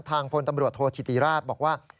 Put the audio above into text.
พลตำรวจโทษธิติราชบอกว่า